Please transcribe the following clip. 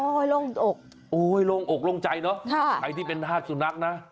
โอ้โหโรงโอกโรงใจเนอะใครที่เป็นฮาดสุนัขนะ